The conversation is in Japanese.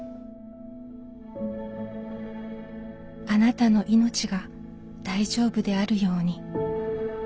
「あなたのいのちが大丈夫であるように」。